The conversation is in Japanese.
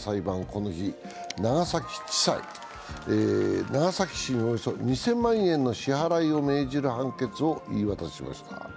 この日、長崎地裁、長崎市におよそ２０００万円の支払いを命じる判決を言い渡しました。